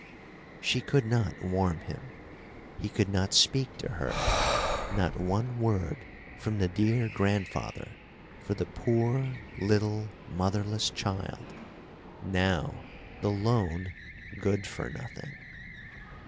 She could not warm him! He could not speak to her—not one word from the dear grandfather for the poor, little, motherless child, now the lone "Good for Nothing."